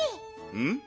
うん？